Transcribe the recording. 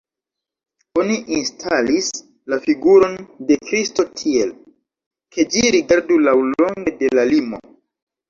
Oni instalis la figuron de Kristo tiel, ke ĝi rigardu laŭlonge de la limo.